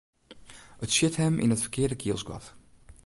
It sjit him yn it ferkearde kielsgat.